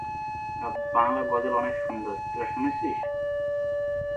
এই সঙ্গীত এলবাম বাংলাদেশের প্রথম এলবাম যার সবগুলো গানের সুরকার হল একজন নারী সঙ্গীত শিল্পী।